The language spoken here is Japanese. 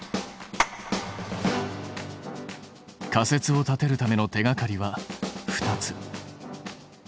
仮説を立てるための手がかりは２つ。